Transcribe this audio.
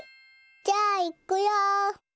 じゃあいくよ！